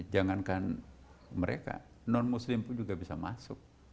jangankan mereka non muslim pun juga bisa masuk